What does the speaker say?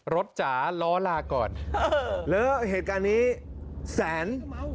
รถจาร้อลาก่อนฮะครับแล้วเหตุการณ์นี้แสน